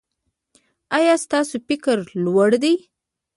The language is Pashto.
ایا ستاسو فکر لوړ دی؟